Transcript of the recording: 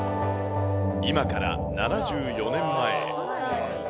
今から７４年前。